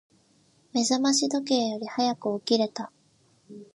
目覚まし時計より早く起きれた。